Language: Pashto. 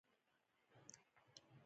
هدف دا دی چې یو ډول بریا ترلاسه شي.